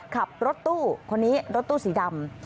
ขับรถตู้คนนี้รถตู้สีดำ